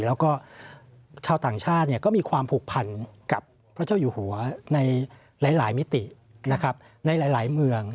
แล้วก็ชาวต่างชาติก็มีความผูกพันกับพระเจ้าอยู่หัวในหลายมิติในหลายเมือง